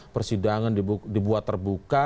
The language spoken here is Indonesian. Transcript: persidangan dibuat terbuka